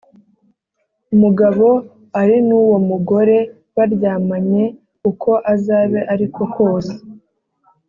mugabo ari n uwo mugore baryamanye Uko azabe ari ko kose